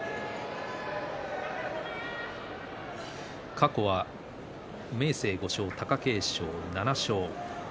過去は明生５勝、貴景勝７勝。